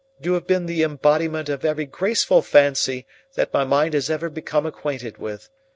You have been the embodiment of every graceful fancy that my mind has ever become acquainted with.